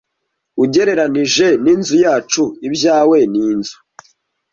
Ugereranije n'inzu yacu, ibyawe ni inzu.